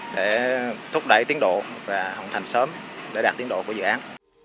để thúc đẩy tiến độ và hồng thành sớm để đạt tiến độ của dự án